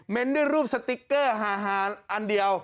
ด้วยรูปสติ๊กเกอร์ฮาอันเดียว